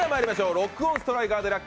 ロックオンストライカーＤＸ